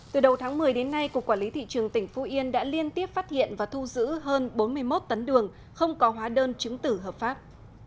từ đầu tháng một mươi đến nay cục quản lý thị trường tỉnh phú yên đã liên tiếp phát hiện và thu giữ hơn bốn mươi một tấn đường không có hóa đơn chứng tử hợp pháp